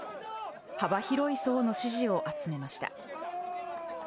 幅広い層の支持を集めました。